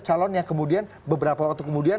calon yang kemudian beberapa waktu kemudian